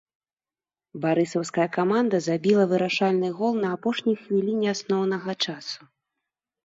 Барысаўская каманда забіла вырашальны гол на апошняй хвіліне асноўнага часу.